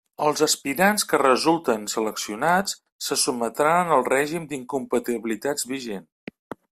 Els aspirants que resulten seleccionats se sotmetran al règim d'incompatibilitats vigent.